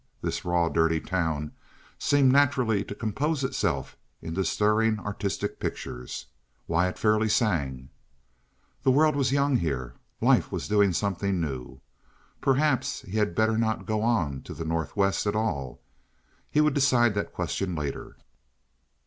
This raw, dirty town seemed naturally to compose itself into stirring artistic pictures. Why, it fairly sang! The world was young here. Life was doing something new. Perhaps he had better not go on to the Northwest at all; he would decide that question later.